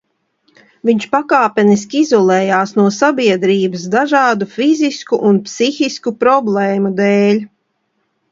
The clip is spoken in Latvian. Viņš pakāpeniski izolējās no sabiedrības dažādu fizisku un psihisku problēmu dēļ.